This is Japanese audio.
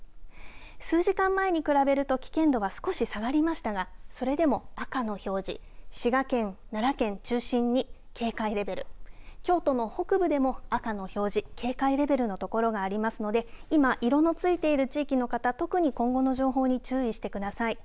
数時間前に比べると危険度は少し下がりましたがそれでも赤の表示、滋賀県、奈良県中心に警戒レベル、京都の北部でも赤の表示、警戒レベルの所がありますので今、色のついている地域の方、特に今後の情報に注意してください。